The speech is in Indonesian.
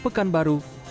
di pekanbaru ini